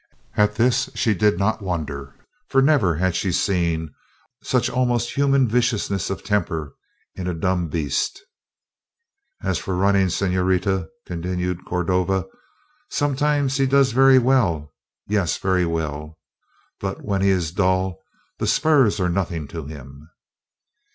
At this she did not wonder for never had she seen such almost human viciousness of temper in a dumb beast. "As for running, señorita," continued Cordova, "sometimes he does very well yes, very well. But when he is dull the spurs are nothing to him."